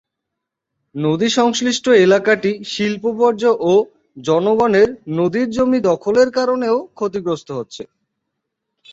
নদী সংশ্লিষ্ট এলাকাটি শিল্প বর্জ্য ও জনগণের নদীর জমি দখলের কারণেও ক্ষতিগ্রস্ত হচ্ছে।